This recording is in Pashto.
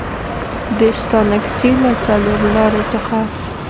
د ستانکزي له څلورلارې څخه